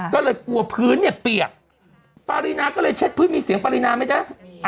ก็เลยกลัวพื้นเนี่ยเปียกปารีนาก็เลยเช็ดพื้นมีเสียงปรินาไหมจ๊ะ